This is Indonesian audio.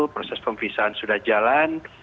proses pemfisaan sudah jalan